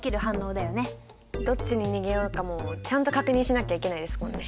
どっちに逃げようかもちゃんと確認しなきゃいけないですもんね。